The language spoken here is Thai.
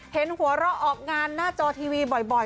เห็นหัวเราะออกงานหน้าจอทีวีบ่อย